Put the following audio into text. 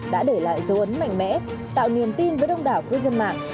đã để lại dấu ấn mạnh mẽ tạo niềm tin với đông đảo cư dân mạng